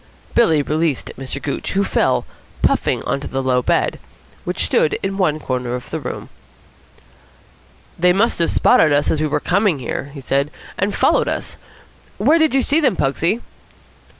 Billy released Mr. Gooch, who fell, puffing, on to the low bed, which stood in one corner of the room. "They must have spotted us as we were coming here," he said, "and followed us. Where did you see them, Pugsy?"